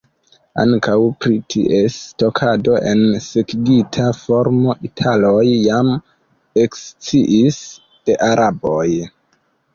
Ankaŭ pri ties stokado en sekigita formo, italoj jam eksciis de araboj.